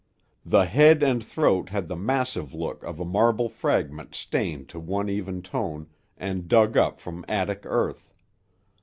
The head and throat had the massive look of a marble fragment stained to one even tone and dug up from Attic earth.